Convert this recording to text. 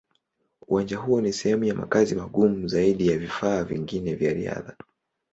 Uwanja huo ni sehemu ya makazi magumu zaidi ya vifaa vingine vya riadha.